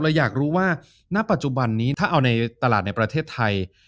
อยากรู้ว่าณปัจจุบันนี้ถ้าเอาในตลาดในประเทศไทย